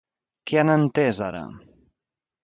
Què han entès ara?